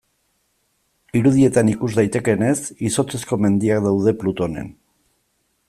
Irudietan ikus daitekeenez, izotzezko mendiak daude Plutonen.